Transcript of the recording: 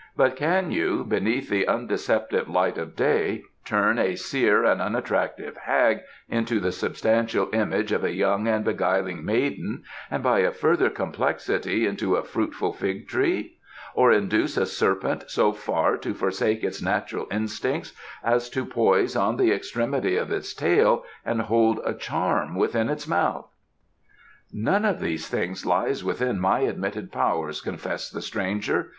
But can you, beneath the undeceptive light of day, turn a sere and unattractive hag into the substantial image of a young and beguiling maiden, and by a further complexity into a fruitful fig tree; or induce a serpent so far to forsake its natural instincts as to poise on the extremity of its tail and hold a charm within its mouth?" "None of these things lies within my admitted powers," confessed the stranger.